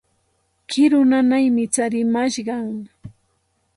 Kiru nanaymi tsarimashqan.